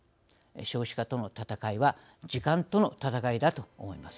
少子化との戦いは時間との戦いだと思います。